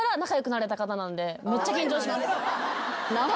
めっちゃ緊張します。